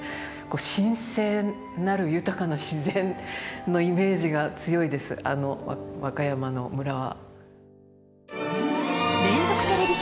神聖なる豊かな自然のイメージが強いです和歌山の村は。